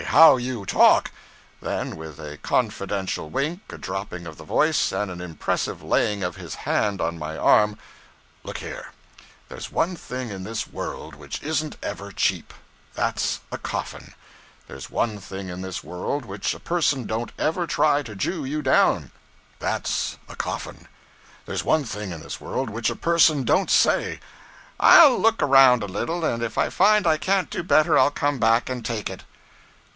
How you talk!' Then, with a confidential wink, a dropping of the voice, and an impressive laying of his hand on my arm; 'Look here; there's one thing in this world which isn't ever cheap. That's a coffin. There's one thing in this world which a person don't ever try to jew you down on. That's a coffin. There's one thing in this world which a person don't say "I'll look around a little, and if I find I can't do better I'll come back and take it."